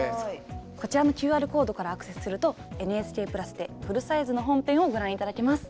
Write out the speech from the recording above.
こちらのＱＲコードからアクセスすると「ＮＨＫプラス」でフルサイズの本編をご覧頂けます。